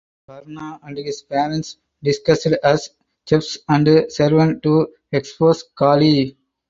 Karna and his parents disguised as chefs and servant to expose Kali.